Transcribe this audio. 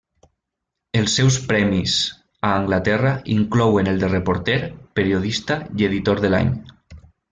Els seus premis a Anglaterra inclouen el de reporter, periodista i editor de l'any.